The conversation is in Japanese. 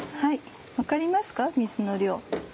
分かりますか水の量。